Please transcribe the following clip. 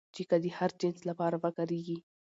چې که د هر جنس لپاره وکارېږي